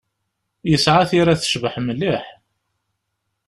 Yesɛa tira tecbeḥ mliḥ.